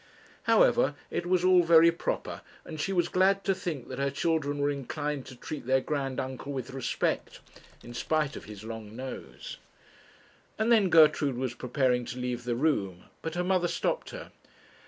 However, it was all very proper; and she was glad to think that her children were inclined to treat their grand uncle with respect, in spite of his long nose. And then Gertrude was preparing to leave the room, but her mother stopped her.